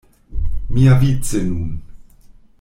Miavice nun!